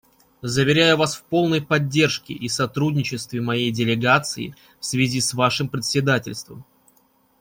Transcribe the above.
Заверяю вас в полной поддержке и сотрудничестве моей делегации в связи с вашим председательством.